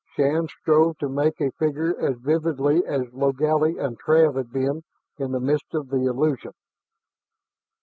Shann strove to make a figure as vividly as Logally and Trav had been in the mist of the illusion.